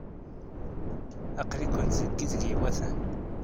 Aql-ikent deg yideg ay iwatan.